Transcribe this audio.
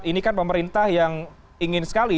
ini kan pemerintah yang ingin sekali